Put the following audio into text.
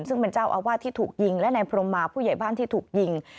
ซึ่งเป็นเจ้าอาวาสที่ถูกยิงและนายพรมมาผู้ใหญ่บ้านที่ถูกยิง